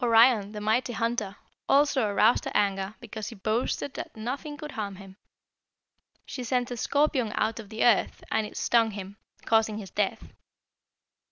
Orion, the mighty hunter, also aroused her anger because he boasted that nothing could harm him. She sent a scorpion out of the earth, and it stung him, causing his death.